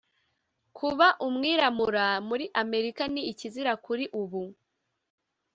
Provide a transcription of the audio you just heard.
kuba umwiramura muri amerika ni ikizira kuri ubu